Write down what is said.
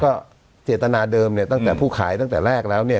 ก็เจตนาเดิมเนี่ยตั้งแต่ผู้ขายตั้งแต่แรกแล้วเนี่ย